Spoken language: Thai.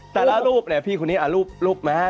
แต่ละรูปเนี่ยอ้าวพี่คนนี้รูปมาฮะ